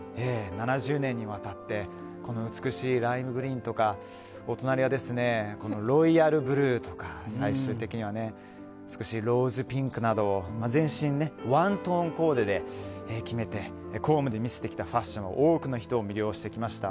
７０年にわたってこの美しいライムグリーンとかロイヤルブルーとか最終的には美しいローズピンクなど全身ワントーンコーデで決めて公務で見せてきたファッションは多くの人を魅了してきました。